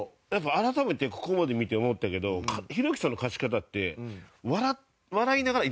改めてここまで見て思ったけどひろゆきさんの勝ち方って笑いながら言いだす時あるよな。